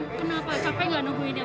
kenapa capek gak nungguinnya